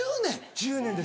１０年です。